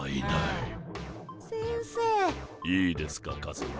いいですかカズマ。